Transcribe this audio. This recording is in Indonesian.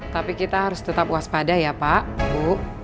tapi kita harus tetap waspada ya pak bu